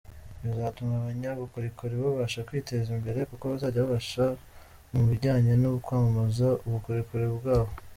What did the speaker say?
bizatuma abanyabukorikori babasha kwiteza imbere kuko bazajya bafashwa mu bijyanye no kwamamaza ubukorikori bwabo.